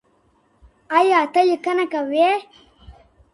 ايا ته ليکنه کوې؟